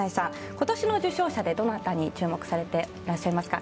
今年の受賞者でどなたに注目されていらっしゃいますか。